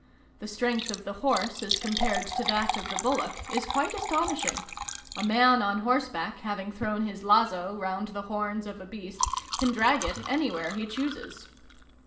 The strength of the horse as compared to that of the bullock is quite astonishing: a man on horseback having thrown his lazo round the horns of a beast, can drag it anywhere he chooses.